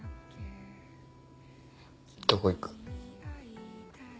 どこ行く？